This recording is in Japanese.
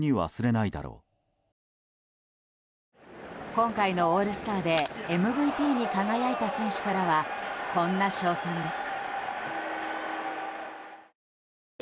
今回のオールスターでＭＶＰに輝いた選手からはこんな称賛です。